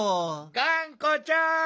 がんこちゃん！